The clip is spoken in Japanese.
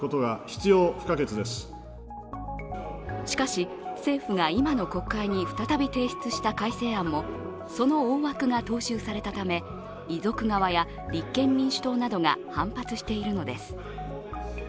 しかし、政府が今の国会に再び提出した改正案もその大枠が踏襲されたため遺族側や立憲民主党などが反発しているのです。